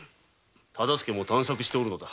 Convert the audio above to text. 大岡も探索しておるのだ。